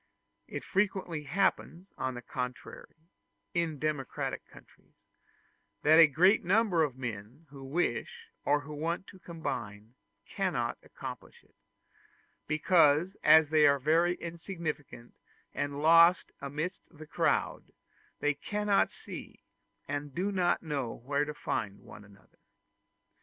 It frequently happens, on the contrary, in democratic countries, that a great number of men who wish or who want to combine cannot accomplish it, because as they are very insignificant and lost amidst the crowd, they cannot see, and know not where to find, one another.